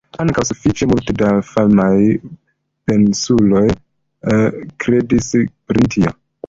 Ankaŭ sufiĉe multe da famaj pensuloj kredis pri tio.